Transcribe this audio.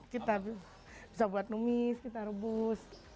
kita bisa buat numis kita rebus